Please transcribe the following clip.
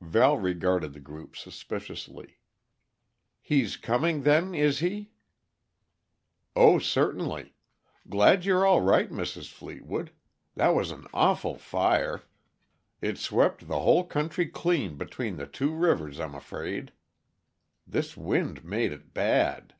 Val regarded the group suspiciously. "He's coming, then, is he?" "Oh, certainly. Glad you're all right, Mrs. Fleetwood. That was an awful fire it swept the whole country clean between the two rivers, I'm afraid. This wind made it bad."